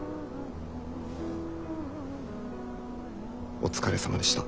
お疲れさまでした。